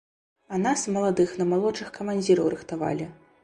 А нас маладых на малодшых камандзіраў рыхтавалі.